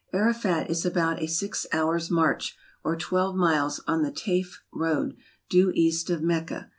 '' Arafat is about a six hours' march, or twelve miles, on the Taif road, due east of Mecca.